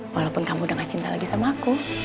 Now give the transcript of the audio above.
walaupun kamu gak ini lagi painer kamu sama aku